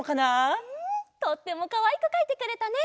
とってもかわいくかいてくれたね。